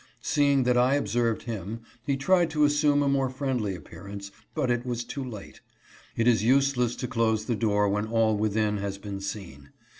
Seeing that I observed him, he tried to assume a more friendly appearance, but it was too late ; it is useless to close the door when all within has been seen.